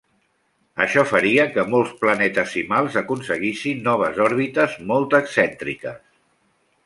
Això faria que molts planetesimals aconseguissin noves òrbites molt excèntriques.